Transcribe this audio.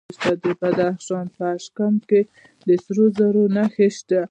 د بدخشان په اشکاشم کې د سرو زرو نښې شته.